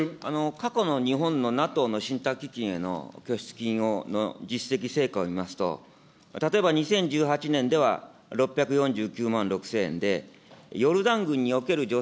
過去の日本のＮＡＴＯの信託基金への拠出金の実績成果を見ますと、例えば２０１８年では６４９万６０００円で、ヨルダン軍におけるじょ